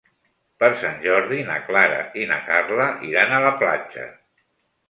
Per Sant Jordi na Clara i na Carla iran a la platja.